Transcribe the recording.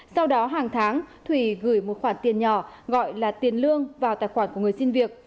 sau đó hàng tháng thủy gửi một khoản tiền nhỏ gọi là tiền lương vào tài khoản của người xin việc